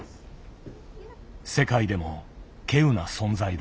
世界でも稀有な存在だ。